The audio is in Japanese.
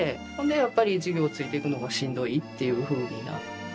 やっぱり授業ついていくのがしんどいっていうふうになって。